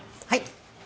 はい。